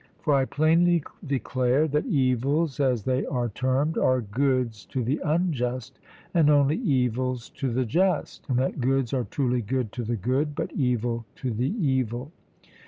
For I plainly declare that evils as they are termed are goods to the unjust, and only evils to the just, and that goods are truly good to the good, but evil to the evil.